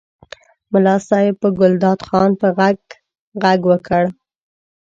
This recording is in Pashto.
ملا صاحب په ګلداد خان په غږ غږ وکړ.